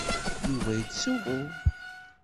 Yuba yettsuɣu.